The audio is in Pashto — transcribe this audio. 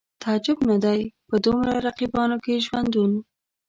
تعجب نه دی په دومره رقیبانو کې ژوندون